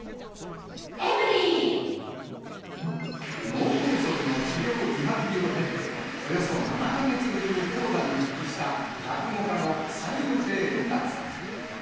脳梗塞の治療、リハビリを経て、およそ７か月ぶりに高座に復帰した、落語家の三遊亭円楽さん。